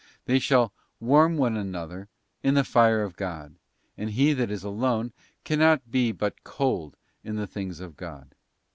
'* They shall 'warm one another' in the fire of God; and he that is alone cannot be but cold in the things of God.